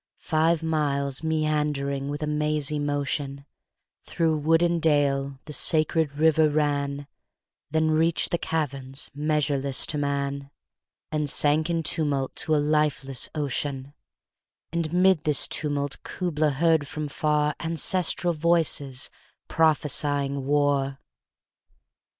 Five miles meandering with a mazy motion 25 Through wood and dale the sacred river ran, Then reach'd the caverns measureless to man, And sank in tumult to a lifeless ocean: And 'mid this tumult Kubla heard from far Ancestral voices prophesying war!